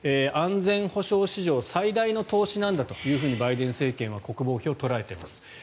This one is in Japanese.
安全保障史上最大の投資なんだとバイデン政権は国防費を捉えています。